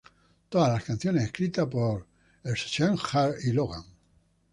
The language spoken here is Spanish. Todas las canciones escritas por Schenker y Logan.